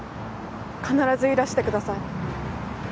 必ずいらしてください。